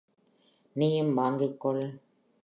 நீயும் வாங்கிக் கொள்.